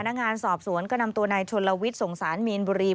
นักงานสอบสวนก็นำตัวนายชนลวิทย์ส่งสารมีนบุรี